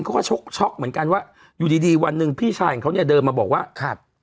เขาก็ชกช็อกเหมือนกันว่าอยู่ดีดีวันหนึ่งพี่ชายของเขาเนี่ยเดินมาบอกว่าครับ